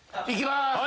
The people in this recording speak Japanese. いきまーす！